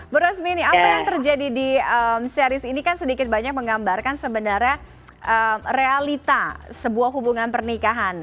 bu rosmini apa yang terjadi di series ini kan sedikit banyak menggambarkan sebenarnya realita sebuah hubungan pernikahan